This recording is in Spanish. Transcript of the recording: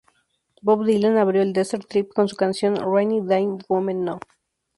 Bob Dylan abrió el Desert Trip con su canción "Rainy Day Women No.